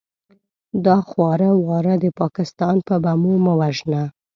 دا خواره واره د پاکستان په بمو مه وژنه!